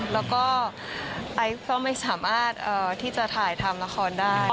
แล้วก็ไอซ์ก็ไม่สามารถที่จะถ่ายทำละครได้